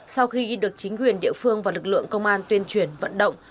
sau khi được chính quyền địa phương và lực lượng công an tuyên truyền vận động